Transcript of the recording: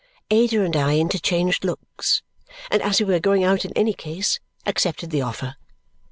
Ada and I interchanged looks, and as we were going out in any case, accepted the offer.